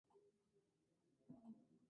Allí pronunció dos famosos sermones.